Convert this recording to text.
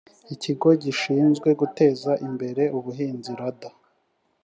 ikigo gishinzwe guteza imbere ubuhinzi rada